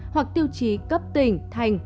hoặc tiêu chí cấp tỉnh thành